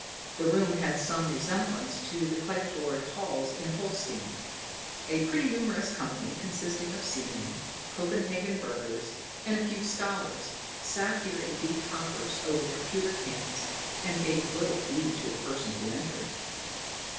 The room had some resemblance to the clay floored halls in Holstein; a pretty numerous company, consisting of seamen, Copenhagen burghers, and a few scholars, sat here in deep converse over their pewter cans, and gave little heed to the person who entered.